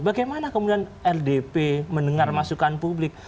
bagaimana kemudian rdp mendengar masukan publik